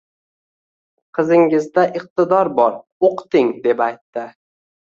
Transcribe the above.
Qizingizda iqtidor bor, oʻqiting, deb aytdi